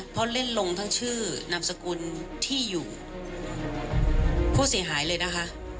เพราะเล่นลงทั้งชื่อนามสกุลที่อยู่ผู้เสียหายเลยนะคะ